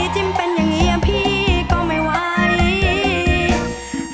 จิ้มเป็นอย่างนี้พี่ก็ไม่ไหว